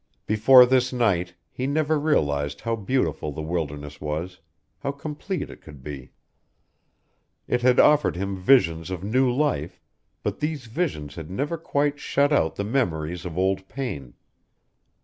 Before this night he never realized how beautiful the wilderness was, how complete it could be. It had offered him visions of new life, but these visions had never quite shut out the memories of old pain.